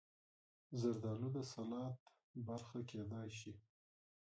زردالو د سلاد برخه کېدای شي.